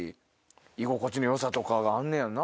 居心地の良さとかがあんねやな